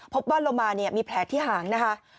พบว่าโลมามีแผลที่หางนะคะ